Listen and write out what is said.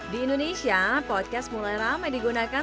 di indonesia podcast mulai ramai digunakan